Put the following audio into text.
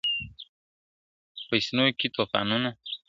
په سينو کې توپانونه ..